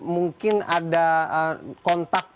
mungkin ada kontak